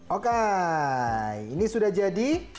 oke ini sudah jadi